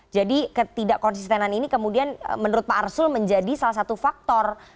jadi ketidak konsistenan ini kemudian menurut pak arsul menjadi salah satu faktor